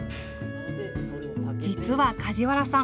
実は梶原さん